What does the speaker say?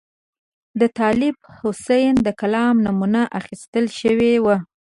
د طالب حسین د کلام نمونه اخیستل شوې وه.